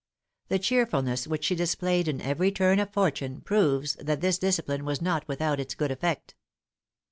The cheerfulness which she displayed in every turn of fortune, proves that this discipline was not without its good effect.